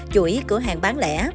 chuỗi cửa hàng bán lẻ